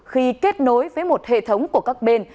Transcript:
khi kết nối với một hệ thống của các bên